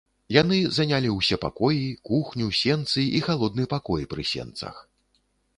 Яны занялі ўсе пакоі, кухню, сенцы і халодны пакой пры сенцах.